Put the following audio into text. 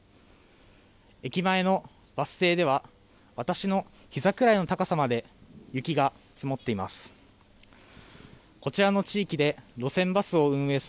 駅前のバス停では私のひざくらいの高さまで雪が積もっています。